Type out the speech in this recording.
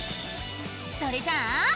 それじゃあ！